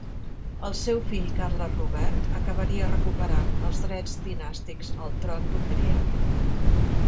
El seu fill Carles Robert acabaria recuperant els drets dinàstics al tron d'Hongria.